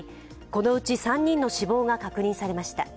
このうち、３人の死亡が確認されました。